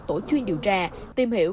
tổ chuyên điều tra tìm hiểu